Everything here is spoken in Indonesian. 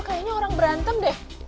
kaya orang berantem deh